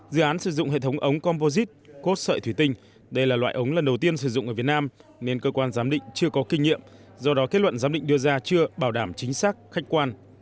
dự án sử dụng hệ thống ống composite cốt sợi thủy tinh đây là loại ống lần đầu tiên sử dụng ở việt nam nên cơ quan giám định chưa có kinh nghiệm do đó kết luận giám định đưa ra chưa bảo đảm chính xác khách quan